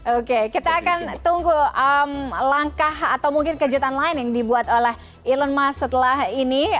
oke kita akan tunggu langkah atau mungkin kejutan lain yang dibuat oleh elon musk setelah ini